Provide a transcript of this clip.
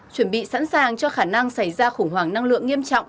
chuẩn bị sẵn sàng cho khả năng xảy ra khủng hoảng năng lượng nghiêm trọng